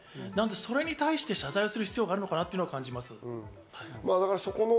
それに対して謝罪する必要があるのかなと感じます。